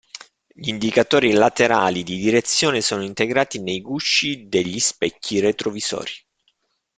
Gli indicatori laterali di direzione sono integrati nei gusci degli specchi retrovisori.